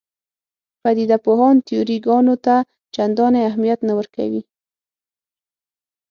پدیده پوهان تیوري ګانو ته چندانې اهمیت نه ورکوي.